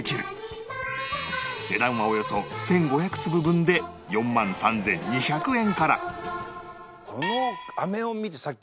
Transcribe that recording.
値段はおよそ１５００粒分で４万３２００円から